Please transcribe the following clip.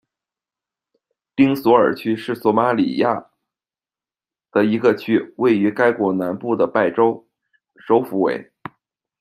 丁索尔区是索马利亚的一个区，位于该国南部的拜州，首府为。